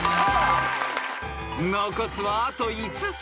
［残すはあと５つ。